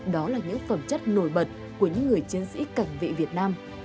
đó là những phẩm chất nổi bật của những người chiến sĩ cảnh vệ việt nam